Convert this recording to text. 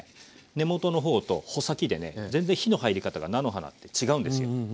根元の方と穂先でね全然火の入り方が菜の花って違うんですよ。